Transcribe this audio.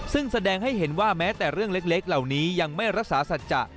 ซึ่งแสดงให้เห็นว่าแม้แต่เรื่องเล็กเหล่านี้ยังไม่รักษาสัจจะ